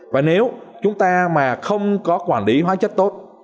và nếu chúng ta mà không có quản lý hóa chất tốt